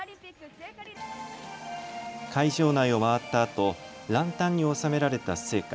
会場内を回ったあとランタンにおさめられた聖火。